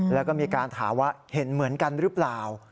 แล้วก็มีการถามว่าเห็นเหมือนกันหรือเปล่า